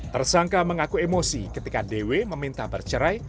tersangka mengaku emosi ketika dewi meminta bercerai